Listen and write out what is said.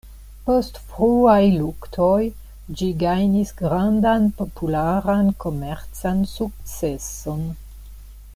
Post fruaj luktoj, ĝi gajnis grandan popularan komercan sukceson.